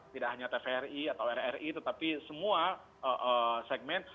tidak hanya tvri atau rri tetapi semua segmen